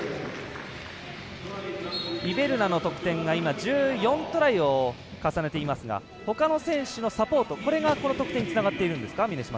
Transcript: イベルナの得点が１４トライを重ねていますがほかの選手のサポートこれがこの得点につながっているんですか。